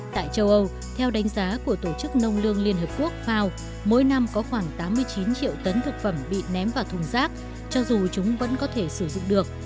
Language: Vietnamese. tại châu âu theo đánh giá của tổ chức nông lương liên hợp quốc fao mỗi năm có khoảng tám mươi chín triệu tấn thực phẩm bị ném vào thùng rác cho dù chúng vẫn có thể sử dụng được